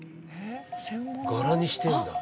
柄にしてるんだ。